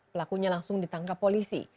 pelakunya langsung ditangkap polisi